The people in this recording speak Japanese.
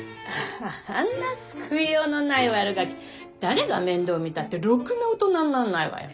あんな救いようのないワルガキ誰が面倒見たってろくな大人になんないわよ。